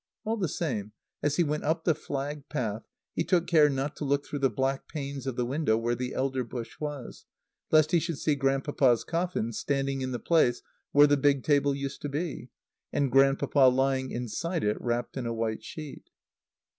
All the same, as he went up the flagged path, he took care not to look through the black panes of the window where the elder bush was, lest he should see Grandpapa's coffin standing in the place where the big table used to be, and Grandpapa lying inside it wrapped in a white sheet.